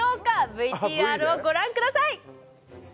ＶＴＲをご覧ください